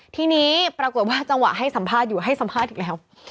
ทีนี้ปรากฏว่าจังหวะให้สัมภาษณ์อยู่ให้สัมภาษณ์อีกแล้ว